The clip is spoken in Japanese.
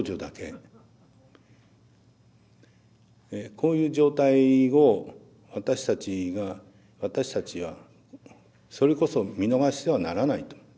こういう状態を私たちが私たちはそれこそ見逃してはならないと。